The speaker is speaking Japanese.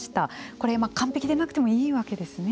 これ、完璧でなくてもいいわけですね。